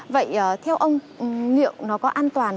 vậy theo ông liệu nó có an toàn